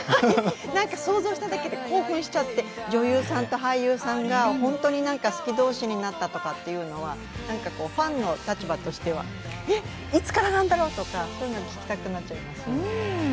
なんか想像しただけで興奮しちゃって女優さんと俳優さんが本当に好き同士になったというのはファンの立場としては、えっ、いつからなんだろうとか、そういうの聞きたくなっちゃいます。